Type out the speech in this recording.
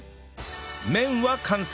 麺は完成